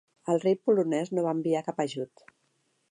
El rei polonès no va enviar cap ajut.